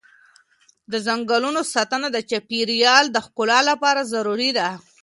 د ځنګلونو ساتنه د چاپېر یال د ښکلا لپاره ضروري ده.